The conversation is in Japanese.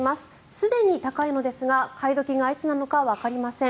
すでに高いのですが買い時がいつなのかわかりません